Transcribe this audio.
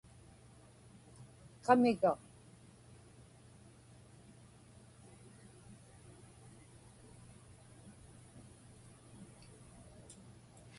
kamiga